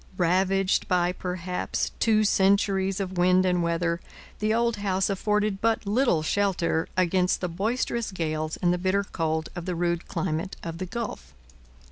Ravaged by perhaps two centuries of wind and weather, the old house afforded but little shelter against the boisterous gales and the bitter cold of the rude climate of the Gulf.